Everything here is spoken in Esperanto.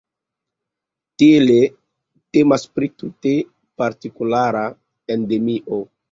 Tiele temas pri tute partikulara endemio.